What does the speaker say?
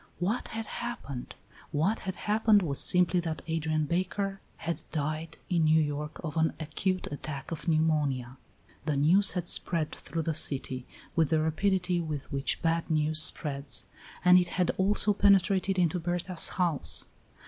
What had happened? What had happened was simply that Adrian Baker had died in New York of an acute attack of pneumonia. The news had spread through the city with the rapidity with which bad news spreads, and it had also penetrated into Berta's house.